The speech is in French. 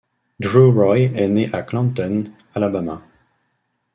Drew Roy est né à Clanton, Alabama.